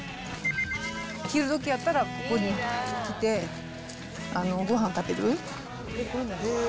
昼時やったらここに来て、ごはん食べる。